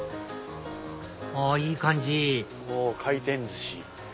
あいい感じ回転寿司！